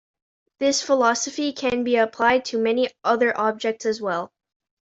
This philosophy can be applied to many other objects as well.